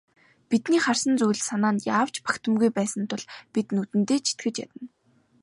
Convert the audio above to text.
Бидний харсан зүйл санаанд яавч багтамгүй байсан тул бид нүдэндээ ч итгэж ядна.